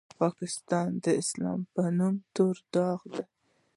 پاکستان د اسلام په نوم تور داغ دی.